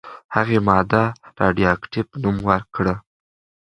هغې ماده «راډیواکټیف» نوم کړه.